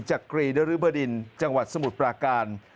จักรีนริบดินจังหวัดสมุทรปราการ